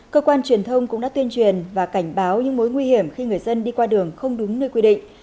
cơ quan truyền thông cũng đã tuyên truyền và cảnh báo những mối nguy hiểm khi người dân đi qua đường không đúng nơi quy định